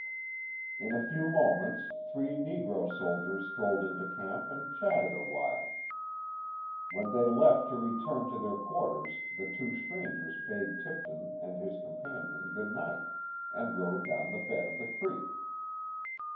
In a few moments three negro soldiers strolled into camp and chatted awhile. When they left to return to their quarters, the two strangers bade Tipton and his companion goodnight, and rode down the bed of the creek.